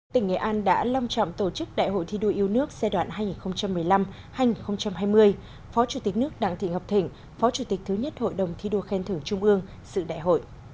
tỉnh nghệ an đã long trọng tổ chức đại hội thi đua yêu nước giai đoạn hai nghìn một mươi năm hai nghìn hai mươi phó chủ tịch nước đặng thị ngọc thịnh phó chủ tịch thứ nhất hội đồng thi đua khen thưởng trung ương sự đại hội